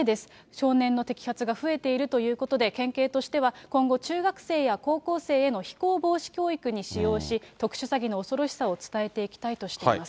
少年の摘発が増えているということで、県警としては今後、中学生や高校生への非行防止教育に使用し、特殊詐欺の恐ろしさを伝えていきたいとしています。